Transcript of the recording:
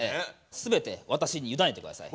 全て私に委ねて下さい。